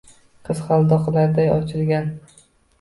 Qizg’aldoqlarday ochilgan